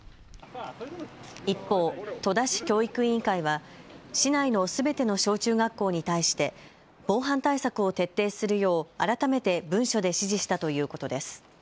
一方、戸田市教育委員会は市内のすべての小中学校に対して防犯対策を徹底するよう改めて文書で指示したということです。